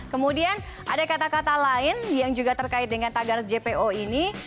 kemudian ada kata kata lain yang juga terkait dengan tagar jpo ini